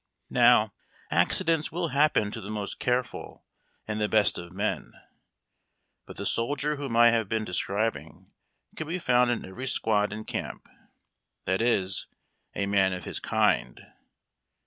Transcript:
Now, accidents will happen to the most careful and the best of men, but the soldier whom I have been describing could be found in every squad in camp — that is, a man of his kind.